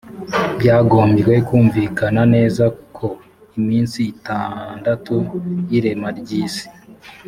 byagombye kumvikana neza ko iminsi itandatu y’irema ry’isi